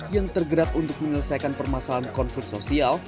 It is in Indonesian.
yang tergerak untuk menyelesaikan permasalahan konflik sosial